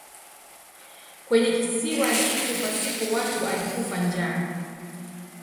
Kwenye kisiwa hicho pasipo watu alikufa njaa.